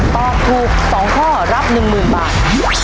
ตอบถูก๒ข้อรับ๑๐๐๐บาท